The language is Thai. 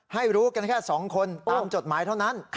ให้รู้กันแค่๒คนตามจดหมายเท่านั้น